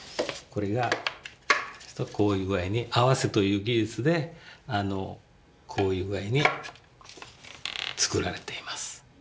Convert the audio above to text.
これがこういう具合に合わせという技術でこういう具合に作られています。